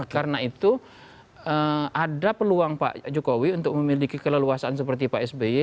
karena itu ada peluang pak jokowi untuk memiliki keleluasan seperti pak sby